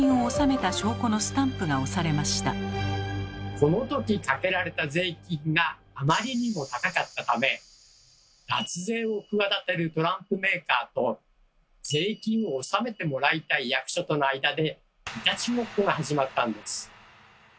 このときかけられた税金があまりにも高かったため脱税を企てるトランプメーカーと税金を納めてもらいたい役所との間でいたちごっこが始まったんです。